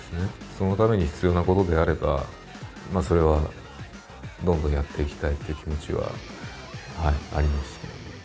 そのために必要なことであれば、それはどんどんやっていきたいという気持ちはあります。